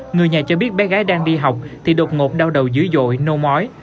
người nhà cho biết bé gái đang đi học thì đột ngột đau đầu dữ dội nô mói